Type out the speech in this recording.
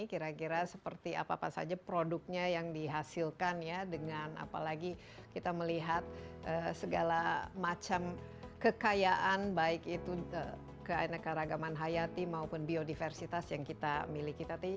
kira kira seperti apa apa saja produknya yang dihasilkan ya dengan apalagi kita melihat segala macam kekayaan baik itu keanekaragaman hayati maupun biodiversitas yang kita miliki tadi